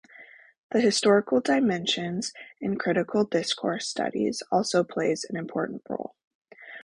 The historical dimension in critical discourse studies also plays an important role.